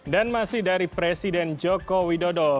dan masih dari presiden jokowi dodo